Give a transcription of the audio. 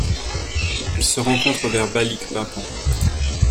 Elle se rencontre vers Balikpapan.